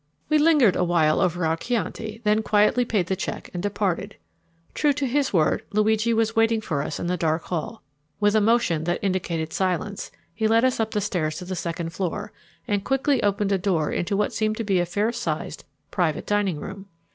We lingered a while over our chianti, then quietly paid the check and departed. True to his word, Luigi was waiting for us in the dark hall. With a motion that indicated silence, he led us up the stairs to the second floor, and quickly opened a door into what seemed to be a fair sized private dining room.